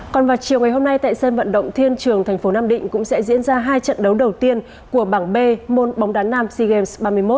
còn vào chiều ngày hôm nay tại sân vận động thiên trường thành phố nam định cũng sẽ diễn ra hai trận đấu đầu tiên của bảng b môn bóng đá nam sea games ba mươi một